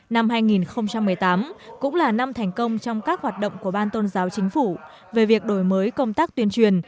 năm hai nghìn một mươi tám cũng là năm thành công trong các hoạt động của ban tôn giáo chính phủ về việc đổi mới công tác tuyên truyền